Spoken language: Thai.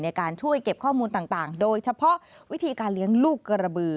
ในการช่วยเก็บข้อมูลต่างโดยเฉพาะวิธีการเลี้ยงลูกกระบือ